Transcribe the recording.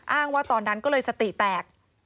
ว่าตอนนั้นก็เลยสติแตก